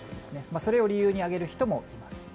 それを理由に挙げる人もいます。